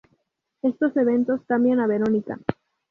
Estos eventos cambian a Veronica.